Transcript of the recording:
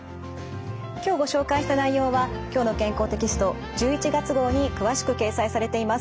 今日ご紹介した内容は「きょうの健康」テキスト１１月号に詳しく掲載されています。